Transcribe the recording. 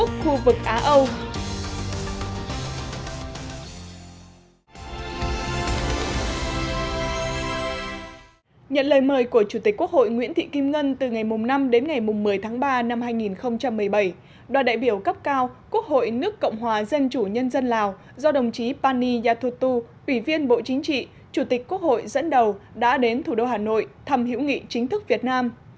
chủ tịch quốc hội nguyễn thị kim ngân từ ngày năm đến ngày một mươi tháng ba năm hai nghìn một mươi bảy đoàn đại biểu cấp cao quốc hội nước cộng hòa dân chủ nhân dân lào do đồng chí pani yatutu ủy viên bộ chính trị chủ tịch quốc hội dẫn đầu đã đến thủ đô hà nội thăm hiểu nghị chính thức việt nam